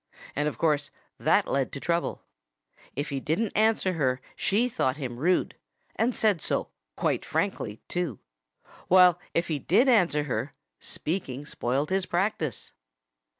And of course that led to trouble. If he didn't answer her she thought him rude and said so, quite frankly, too. While if he did answer her, speaking spoiled his practice.